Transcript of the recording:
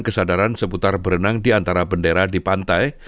kesadaran seputar berenang di antara bendera di pantai